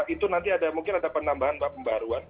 itu nanti ada mungkin ada penambahan pembaruan